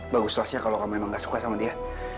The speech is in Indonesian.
bagus lah sya kalau kamu memang nggak suka sama dia